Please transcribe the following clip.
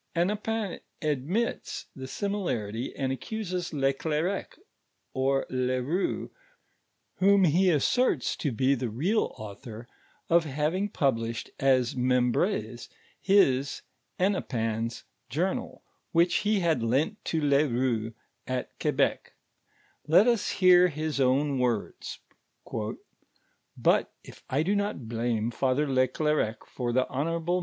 Hennepin admits the HJmilarity, and aeeuses leClerec^ or le Koux, whom he aMcrtit to be the real author, of having published at MeinbrnV, hii^ Hennepin's journal, which he had lent to le Koux, at Quebec. Let us hoor his own .voi'dn: "Hut if I do not blame Father le Clercq for the honorable n.